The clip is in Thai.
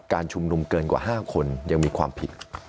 การชุมนุมเกินกว่า๕คนยังมีความผิด